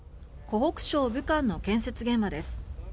湖北省武漢の建設現場です。